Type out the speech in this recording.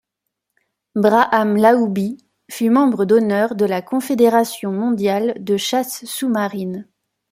Braham Lahoubi fut membre d'honneur de la Confédération mondiale de chasse sous-marine.